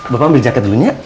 bapak ambil jaket dulu ya